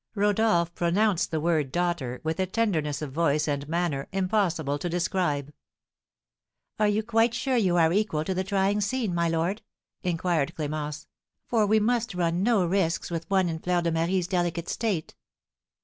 Rodolph pronounced the word daughter with a tenderness of voice and manner impossible to describe. "Are you quite sure you are equal to the trying scene, my lord?" inquired Clémence; "for we must run no risks with one in Fleur de Marie's delicate state."